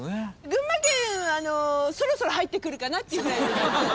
群馬県そろそろ入ってくるかなっていうぐらい。